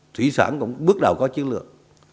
thủy sản cũng bước đầu có chiến lược